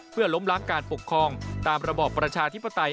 เพื่อล้มล้างการปกครองตามระบอบประชาธิปไตย